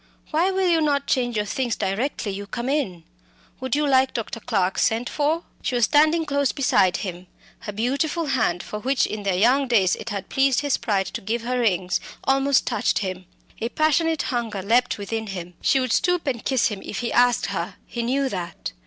Why will you not change your things directly you come in? Would you like Dr. Clarke sent for?" She was standing close beside him; her beautiful hand, for which in their young days it had pleased his pride to give her rings, almost touched him. A passionate hunger leapt within him. She would stoop and kiss him if he asked her; he knew that.